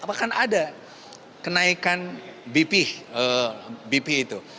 akan ada kenaikan bpih itu